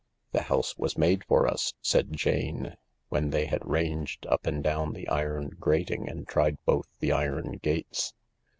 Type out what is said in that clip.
"The house was made for us," said Jane, when they had ranged up and down the iron grating and tried both the iron gates.